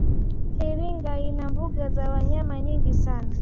iringa ina mbuga za wanyama nyingi sana